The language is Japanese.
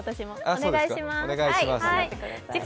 お願いします。